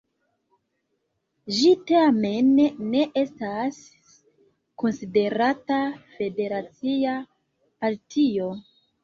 Ĝi tamen ne estas konsiderata federacia partio.